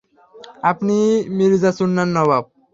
আপনিই, মির্জা চুন্নান নবাব?